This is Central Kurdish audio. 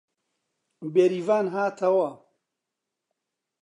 بێریڤان هاتەوە